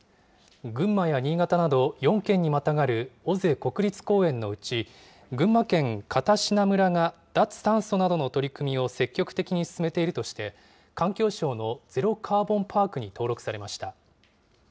群馬や新潟など、４県にまたがる尾瀬国立公園のうち、群馬県片品村が脱炭素などの取り組みを積極的に進めているとして、環境省のゼロカーボンパークに登録されました。